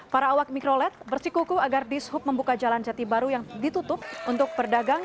para awak mikrolet bersikuku agar dishub membuka jalan jati baru yang ditutup untuk berdagang